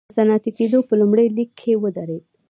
د صنعتي کېدو په لومړۍ لیکه کې ودرېد.